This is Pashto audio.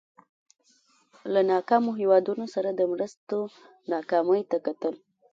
له ناکامو هېوادونو سره د مرستو ناکامۍ ته کتل.